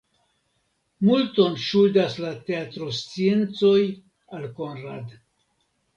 Multon ŝuldas la teatrosciencoj al Konrad.